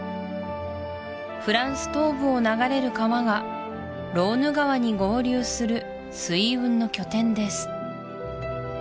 フランス東部を流れる川がローヌ川に合流する水運の拠点です